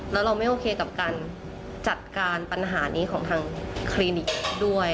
แล้วเราไม่โอเคกับการจัดการปัญหานี้ของทางคลินิกด้วย